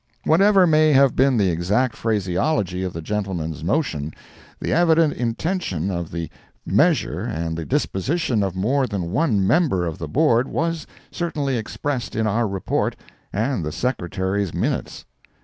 Whatever may have been the exact phraseology of the gentleman's motion, the evident intention of the measure and the disposition of more than one member of the Board was certainly expressed in our report and the Secretary's minutes.